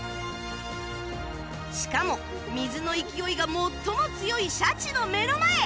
しかも水の勢いが最も強いシャチの目の前